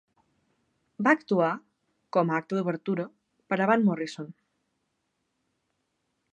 Va actuar, com a acte d'obertura, per a Van Morrison.